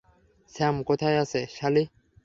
Sam কোথায় আছে, সালি?